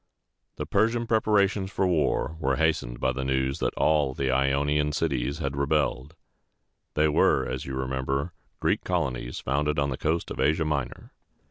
The Persian preparations for war were hastened by news that all the Ionian cities had rebelled. These were, as you remember, Greek colonies founded on the coast of Asia Minor.